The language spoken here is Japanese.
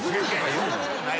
そんなことないっすよ。